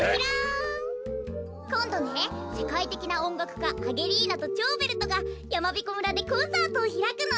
こんどねせかいてきなおんがくかアゲリーナとチョーベルトがやまびこ村でコンサートをひらくの！